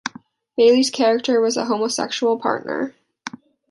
Bailey's character was a homosexual partner.